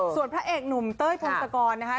ส่วนพระเอกหนุ่มเต้ยพงศกรนะคะ